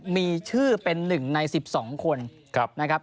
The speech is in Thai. มีชื่อเป็น๑ใน๑๒คนนะครับ